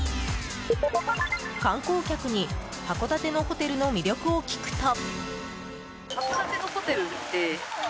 観光客に函館のホテルの魅力を聞くと。